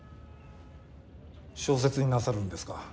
小説になさるんですか？